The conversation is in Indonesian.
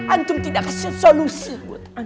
antung tidak rasa solusi buat antung